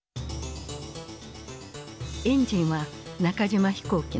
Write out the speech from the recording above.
エンジンは中島飛行機の栄。